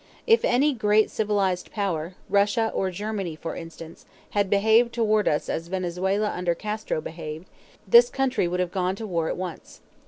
If any great civilized power, Russia or Germany, for instance, had behaved toward us as Venezuela under Castro behaved, this country would have gone to war at once.